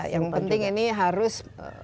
yang penting ini harus